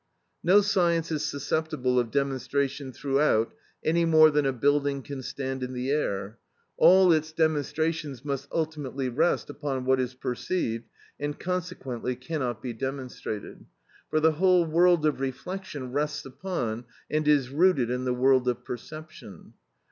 No science is susceptible of demonstration throughout any more than a building can stand in the air; all its demonstrations must ultimately rest upon what is perceived, and consequently cannot be demonstrated, for the whole world of reflection rests upon and is rooted in the world of perception.